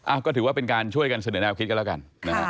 ก็ถือว่าเป็นการช่วยกันเสนอแนวคิดกันแล้วกันนะฮะ